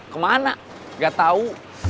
kemana gak tau